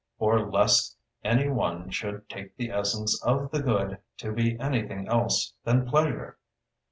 or lest any one should take the essence of the Good to be anything else than Pleasure?